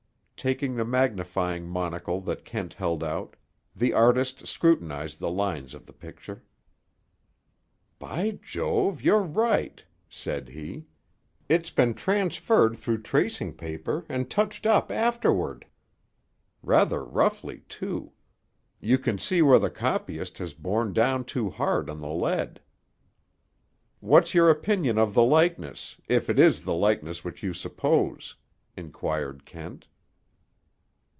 Taking the magnifying monocle that Kent held out, the artist scrutinized the lines of the picture. "By Jove! You're right," said he. "It's been transferred through tracing paper, and touched up afterward. Rather roughly, too. You can see where the copyist has borne down too hard on the lead." "What's your opinion of the likeness—if it is the likeness which you suppose?" inquired Kent.